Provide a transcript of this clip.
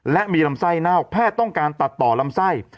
และมีลำไส้เน่าแพทย์ต้องการตัดต่อลำไส้